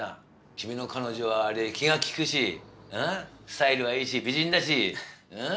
君の彼女は気が利くしスタイルはいいし美人だしん？